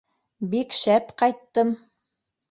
— Бик шәп ҡайттым.